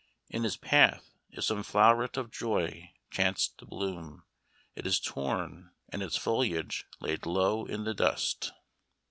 In his path, if some flowret of joy chanced to bloom, It is torn and its foliage laid low in the dust."